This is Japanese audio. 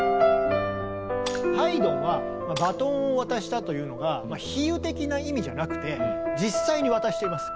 ハイドンはバトンを渡したというのが比喩的な意味じゃなくて実際に渡しています。